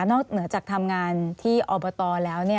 เหนือจากทำงานที่อบตแล้ว